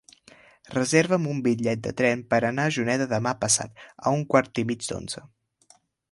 Reserva'm un bitllet de tren per anar a Juneda demà passat a un quart i mig d'onze.